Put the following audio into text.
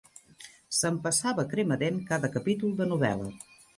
S'empassava a crema-dent cada capítol de novel·la